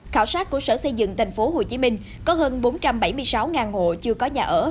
khảo sát của sở xây dựng thành phố hồ chí minh có hơn bốn trăm bảy mươi sáu ngộ chưa có nhà ở